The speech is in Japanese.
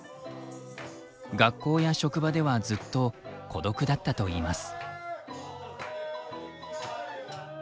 学校や職場ではずっと孤独だったといいます。